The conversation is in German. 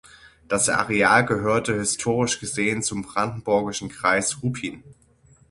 Das Areal gehörte historisch gesehen zum brandenburgischen Kreis Ruppin.